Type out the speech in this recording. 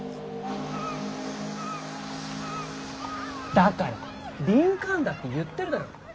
だからリンカーンだって言ってるだろ。